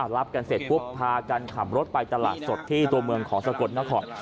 รับกันเสร็จปุ๊บพากันขับรถไปตลาดสดที่ตัวเมืองของสกลนคร